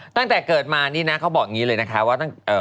ตั้งแต่เกิดมานี่นะเขาบอกอย่างนี้เลยนะคะว่า